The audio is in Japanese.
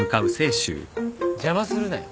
邪魔するなよ。